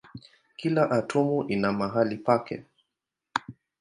Kila atomu ina mahali pake.